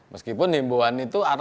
meskipun imbuan itu akibatnya